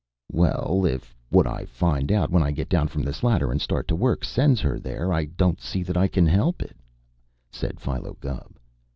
"Well, if what I find out, when I get down from this ladder and start to work, sends her there, I don't see that I can help it," said Philo Gubb.